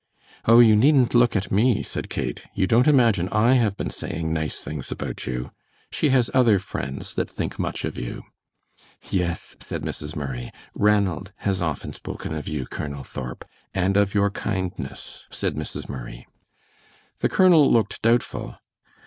"Oh, you needn't look at me," said Kate; "you don't imagine I have been saying nice things about you? She has other friends that think much of you." "Yes," said Mrs. Murray, "Ranald has often spoken of you, Colonel Thorp, and of your kindness," said Mrs. Murray. The colonel looked doubtful.